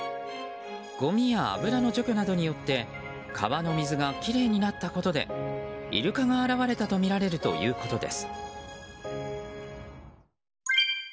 ごみや油の除去などによって川の水がきれいになったことでイルカが現れたとみられるということです。